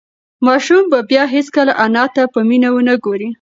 ماشوم به بیا هیڅکله انا ته په مینه ونه گوري.